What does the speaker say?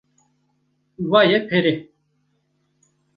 - Vaye pere.